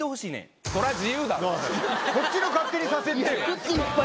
こっちの勝手にさせてよ。